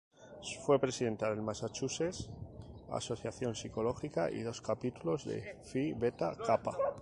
Fue Presidenta del Massachusetts Asociación Psicológica y dos capítulos de Phi Beta Kappa.